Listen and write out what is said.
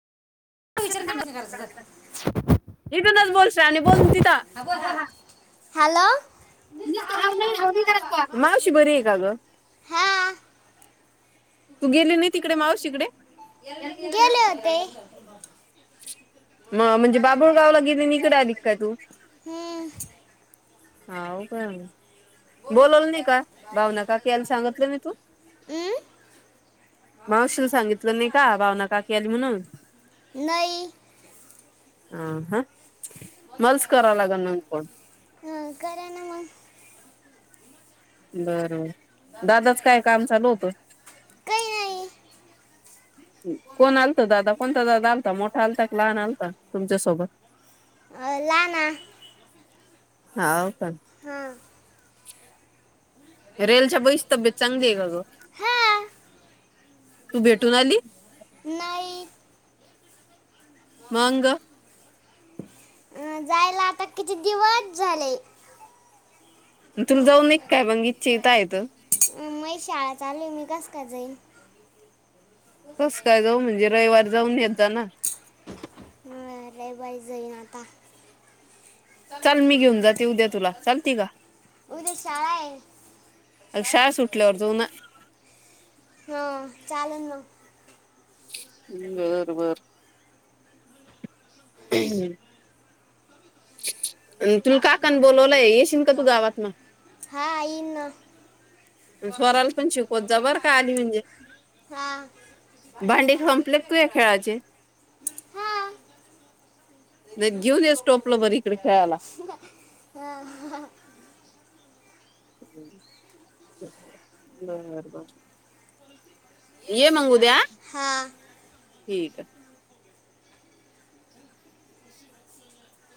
विचारते माझ्या घरांच झालं. [unintelligible] हा बोल हा हॅलो. मावशी बरी आहे का गं? हा तू गेली नाही तिकडे मावशीकडे गेले होते. म म्हणजे बाबुळगावला गेली आणि इकडे आली काय [unintelligible] हा काय बोलवल नाही का भावना काकी याना सांगितलं नाय तू अम्म मावशील सांगितलं नाही का भावना काकी आली म्हणून. नाही हा हा मलाच कराव लागल मग फोण अं करा ना मग बर दादाच काय काम चालू होतं. काही नाही कोण आलत दादा कोणता दादा आलता मोठा आलता की लहान आलता तुमच्यासोबत. अ लहाना हाव का हा. रेलच्या भैयची तब्येत चांगली आहे का ग हा तू भेटून आली. नाही. मगं. अ जायला आता किती दिवस झाले. तुर जाऊन एक काय मंग इचछ येत म माझी शाळा चालू आहे मी कस काय जाईन. कस काय जाऊ म्हणजे रविवारी जाऊन येतय ना. हा रविवारी जईन आता. चल मी घेऊन जाते उद्या तुला चल तिकडे उद्या शाळा आहे. अंग शाळा सुटल्यावर जाऊ ना. हं चालेल मग. बर बर. हम ये तुला काकनं बोलवलय येशील का तू गावात न. हा येईन नं स्वराला पण शिकवत जा बर का आली म्हणजे हा भांडी संपल्यात तुझ्या खेळाचे, हा ना घेऊन ये स टोपलं बर इकडे खेळायला. अं हां. ह्यालो बर बर [unintelligible] ये मग उद्या आ हा ठीक आहे.